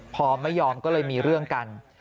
พอไม่ยอมก็เลยมีเรื่องกัน